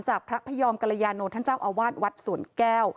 พระพยอมกรยานนท์ท่านเจ้าอาวาสวัดสวนแก้ว